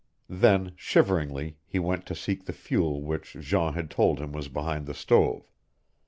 Then, shiveringly, he went to seek the fuel which Jean had told him was behind the stove.